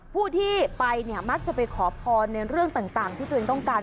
ผู้ที่ไปเนี่ยมักจะไปขอพรในเรื่องต่างที่ตัวเองต้องการ